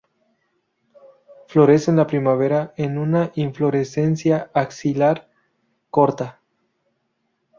Florece en la primavera en una inflorescencia axilar, corta.